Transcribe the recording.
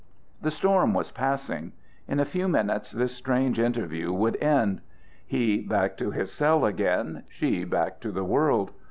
The storm was passing. In a few minutes this strange interview would end: he back to his cell again: she back to the world.